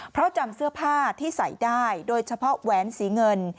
เพราะจำเสื้อผ้าที่ใส่ได้โดยเฉพาะแหวนสีเงิน